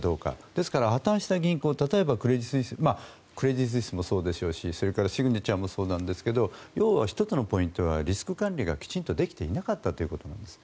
ですから、破たんした銀行例えば要するにクレディ・スイスもそうでしょうしシグネチャーもそうなんですが要は１つのポイントはリスク管理がきちんとできていなかったということなんです。